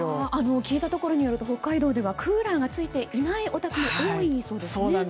聞いたところによると北海道ではクーラーがついていないお宅が多いそうですね。